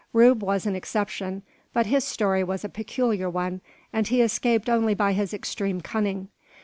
Rube was an exception; but his story was a peculiar one, and he escaped only by his extreme cunning.